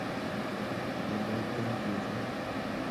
chemoityon chesiny